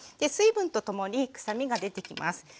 水分とともに臭みが出てきます。